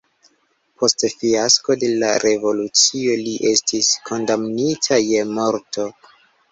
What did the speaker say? Post fiasko de la revolucio li estis kondamnita je morto.